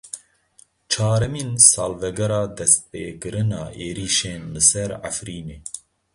Çaremîn salvegera destpêkirina êrişên li ser Efrînê.